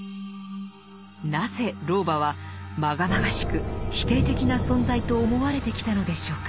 なぜ老婆は禍々しく否定的な存在と思われてきたのでしょうか。